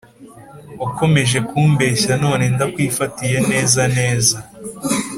Wakomeje kumbeshya none ndakwifatiye neza neza